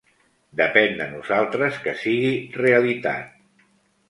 Depèn de nosaltres que sigui realitat.